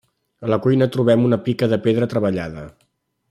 A la cuina trobem una pica de pedra treballada.